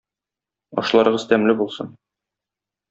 Ашларыгыз тәмле булсын!